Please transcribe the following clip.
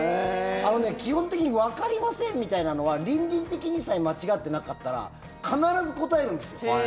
あのね、基本的にわかりませんみたいなのは倫理的にさえ間違ってなかったら必ず答えるんですよ。